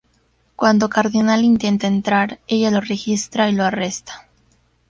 Cuando Cardinal intenta entrar, ella lo registra y lo arresta.